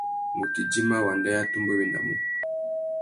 Ngu tà idjima wanda i atumbéwénamú.